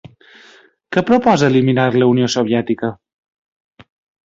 Què proposa eliminar la Unió Soviètica?